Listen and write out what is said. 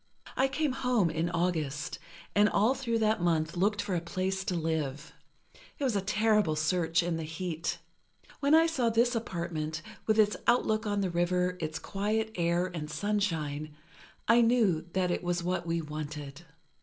"I came home in August, and all through that month looked for a place to live. It was a terrible search in the heat. When I saw this apartment, with its outlook on the river, its quiet air and sunshine, I knew that it was what we wanted.